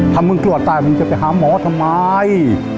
ถ้ามึงกลัวตายมึงจะไปหาหมอทำไม